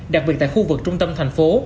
đặc biệt tại khu vực trung tâm thành phố